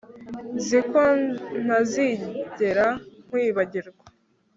Nzi ko ntazigera nkwibagirwa